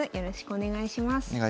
お願いします。